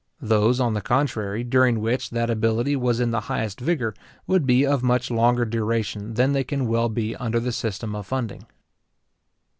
Those, on the contrary, during which that ability was in the highest vigour would be of much longer duration than they can well be under the system of funding.